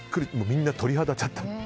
みんな鳥肌立っちゃった。